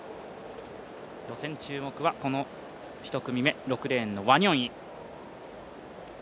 予選、注目は１組目６レーンのワニョンイ。